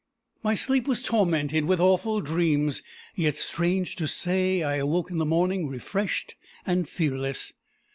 My sleep was tormented with awful dreams; yet, strange to say, I awoke in the morning refreshed and fearless.